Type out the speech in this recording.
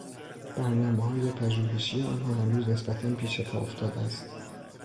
برنامههای پژوهشی آنها هنوز نسبتا پیش پا افتاده است.